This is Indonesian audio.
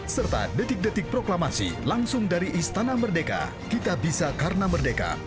serta detik detik proklamasi langsung dari istana merdeka kitabisa karena merdeka